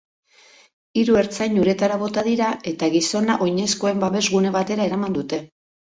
Hiru ertzain uretara bota dira eta gizona oinezkoen babesgune batera eraman dute.